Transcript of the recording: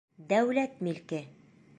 Дәүләт милке!